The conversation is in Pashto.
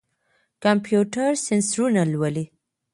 کمپيوټر سېنسرونه لولي.